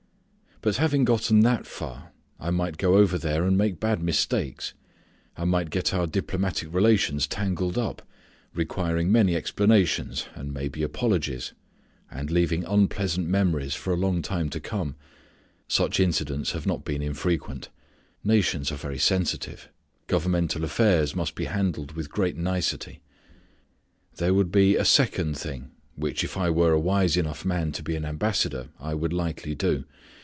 But having gotten that far I might go over there and make bad mistakes. I might get our diplomatic relations tangled up, requiring many explanations, and maybe apologies, and leaving unpleasant memories for a long time to come. Such incidents have not been infrequent. Nations are very sensitive. Governmental affairs must be handled with great nicety. There would be a second thing which if I were a wise enough man to be an ambassador I would likely do.